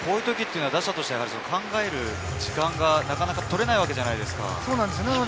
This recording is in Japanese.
打者としては考える時間がなかなか取れないわけじゃないですか。